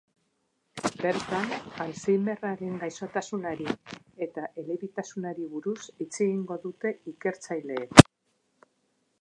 Bertan, alzheimerraren gaixotasunari eta elebitasunari buruz hitz egingo dute ikertzaileek.